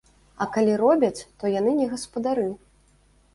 А калі робяць, то яны не гаспадары.